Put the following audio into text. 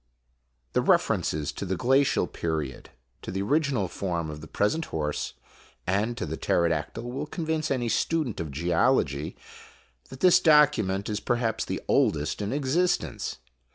The references to the glacial period, to the original form of the present horse, and to the pterodactyl will convince any student of IMAGINOTIONS geology that this document is perhap's the oldest in existence.